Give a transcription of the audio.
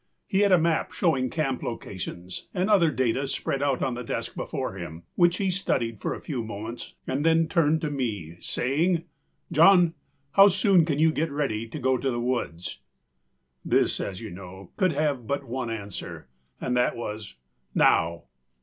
He had a map showing camp locations and other data spread out on the desk before him, which he studied for a few moments and then turned to me, saying: âJohn, how soon can you get ready to go to the woods?â This, as you know, could have but one answer, and that was, âNow!